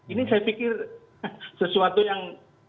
ini saya pikir sesuatu yang